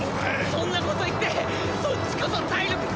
そんなこと言ってそっちこそ体力大丈夫なわけ？